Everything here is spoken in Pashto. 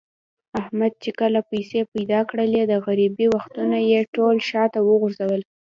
احمد چې کله پیسې پیدا کړلې، د غریبۍ وختونه یې ټول شاته و غورځول.